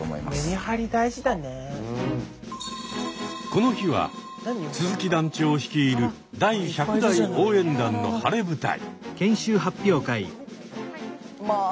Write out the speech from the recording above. この日は鈴木団長率いる第１００代応援団の晴れ舞台。